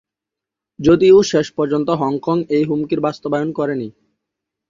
যদিও শেষপর্যন্ত হংকং এই হুমকির বাস্তবায়ন করে নি।